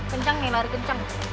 kenceng nih lari kenceng